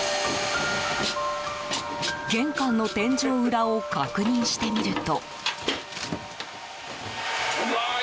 玄関の天井裏を確認してみると。